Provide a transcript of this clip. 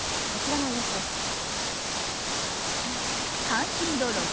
こちらのニュースです。